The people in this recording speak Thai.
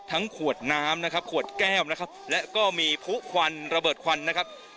ขวดน้ำนะครับขวดแก้วนะครับและก็มีผู้ควันระเบิดควันนะครับ